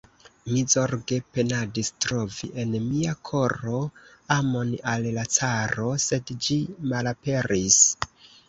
Mi zorge penadis trovi en mia koro amon al la caro, sed ĝi malaperis!